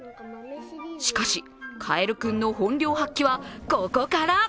しかし、かえるクンの本領発揮はここから。